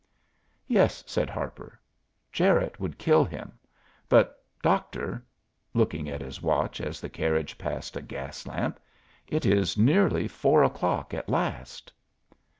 "Yes," said Harper, "Jarette would kill him. But, Doctor" looking at his watch as the carriage passed a gas lamp "it is nearly four o'clock at last."